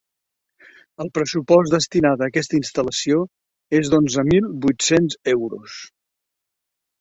El pressupost destinat a aquesta instal·lació és de onzen mil vuit-cents euros.